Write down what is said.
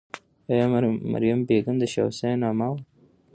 آیا مریم بیګم د شاه حسین عمه وه؟